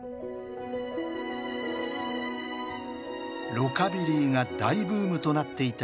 ロカビリーが大ブームとなっていた